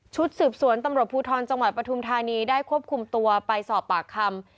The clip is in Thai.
สืบสวนตำรวจภูทรจังหวัดปฐุมธานีได้ควบคุมตัวไปสอบปากคำ